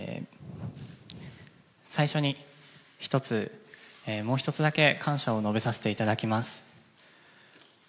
最初に、一つ、もう一つだけ感謝を述べさせていただきます。